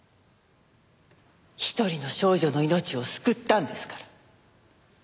一人の少女の命を救ったんですから。